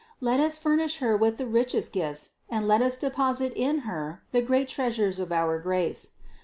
Let Us furnish Her with the richest gifts and let Us deposit in Her the great treasures of our grace.